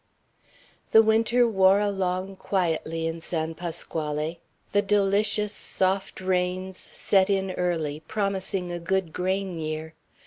The winter wore along quietly in San Pasquale. The delicious soft rains set in early, promising a good grain year.